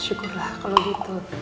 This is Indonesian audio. syukurlah kalau gitu